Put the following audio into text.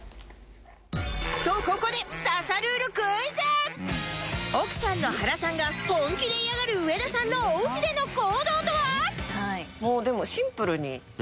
ここで奥さんの原さんが本気で嫌がる上田さんのおうちでの行動とは？でもシンプルに。